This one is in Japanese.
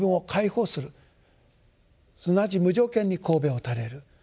すなわち無条件にこうべを垂れる。